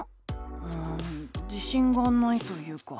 うん自しんがないというか。